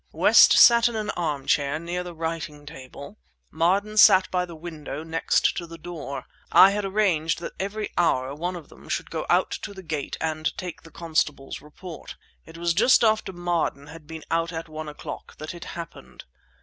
West sat in an armchair near the writing table; Marden sat by the window next to the door. I had arranged that every hour one of them should go out to the gate and take the constable's report. It was just after Marden had been out at one o'clock that it happened.